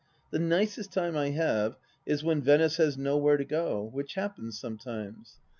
The nicest time I have is when Venice has nowhere to go, which happens sometimes.